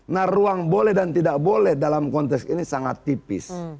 nah ruang boleh dan tidak boleh dalam konteks ini sangat tipis